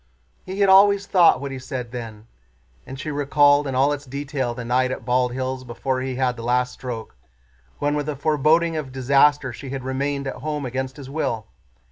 "He had always thought what he said then." And she recalled in all its detail the night at Bald Hills before he had the last stroke, when with a foreboding of disaster she had remained at home against his will.